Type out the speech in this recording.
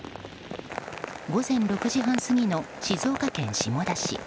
午前６時半過ぎの静岡県下田市。